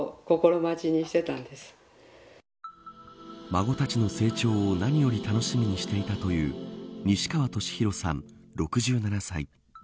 孫たちの成長を何より楽しみにしていたという西川俊宏さん、６７歳。